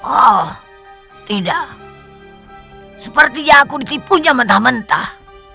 oh tidak sepertinya aku ditipunya mentah mentah